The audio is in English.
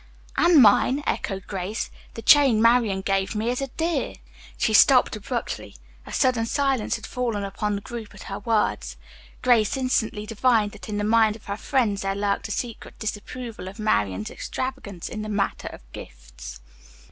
"And mine," echoed Grace. "The chain Marian gave me is a dear." She stopped abruptly. A sudden silence had fallen upon the group at her words. Grace instantly divined that in the minds of her friends there lurked a secret disapproval of Marian's extravagance in the matter of gifts.